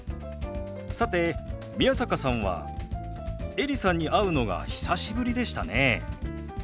さて宮坂さんはエリさんに会うのが久しぶりでしたね。